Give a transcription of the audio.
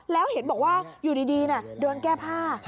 แล้วเห็นบอกว่าอยู่ดีเดินแก้ผ้า